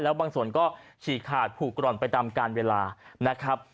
แล้วส่วนก็ฉีดขาดระหว่างผูกกร่อนไปตามการเวลานะครับ